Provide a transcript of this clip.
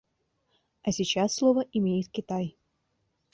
А сейчас слово имеет Китай.